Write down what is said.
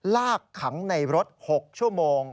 ลากขังในรถ๖ชั่วโมง